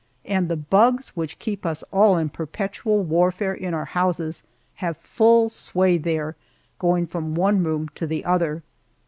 and the bugs, which keep us all in perpetual warfare in our houses, have full sway there, going from one room to the other.